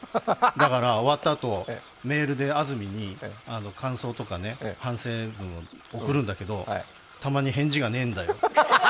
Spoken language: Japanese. だから終わったあと、メールで安住に感想とかね、反省文を送るんだけどたまに返事がねぇんだよ。